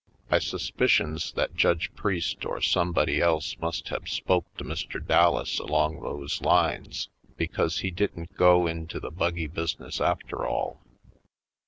I suspicions that Judge Priest or some body else must have spoke to Mr. Dallas along those lines because he didn't go into the buggy business after all.